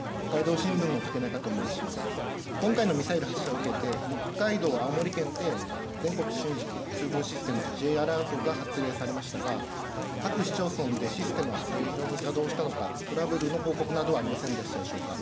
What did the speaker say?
今回のミサイル発射を受けて、北海道、青森県で全国瞬時通報システム・Ｊアラートが発令されましたが、各市町村でシステムは正常に作動したのか、トラブルの報告などはありませんでしたでしょうか。